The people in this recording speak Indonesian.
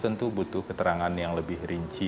tentu butuh keterangan yang lebih rinci